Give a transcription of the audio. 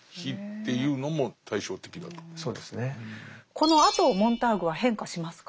このあとモンターグは変化しますか？